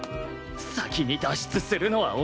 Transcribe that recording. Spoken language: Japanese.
先に脱出するのは俺だ！